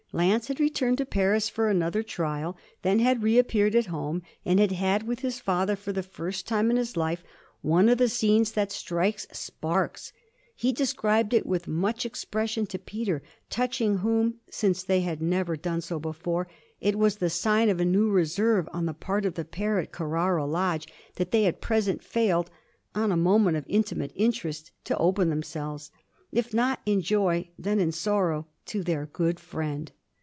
Lance had returned to Paris for another trial; then had reappeared at home and had had, with his father, for the first time in his life, one of the scenes that strike sparks. He described it with much expression to Peter, touching whom (since they had never done so before) it was the sign of a new reserve on the part of the pair at Carrara Lodge that they at present failed, on a matter of intimate interest, to open themselves if not in joy then in sorrow to their good friend.